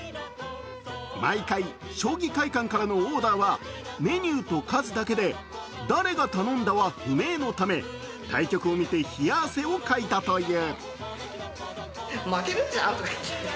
毎回、将棋会館からのオーダーはメニューと数だけで誰が頼んだは不明のため対局を見て、冷や汗をかいたという。